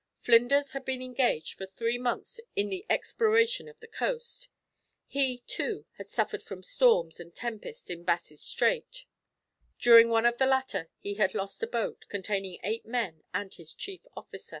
Flinders had been engaged for three months in the exploration of the coast. He, too, had suffered from storms and tempest in Bass's Strait; during one of the latter he had lost a boat, containing eight men and his chief officer.